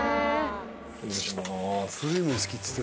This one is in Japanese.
失礼します。